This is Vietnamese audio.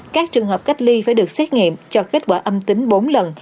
các trường hợp cách ly phải được xét nghiệm cho kết quả âm tính bốn lần